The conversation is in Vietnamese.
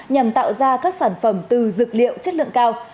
nhằm tạo ra các sản phẩm từ dược liệu chất lượng cao